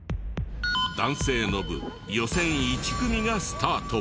男性の部予選１組がスタート。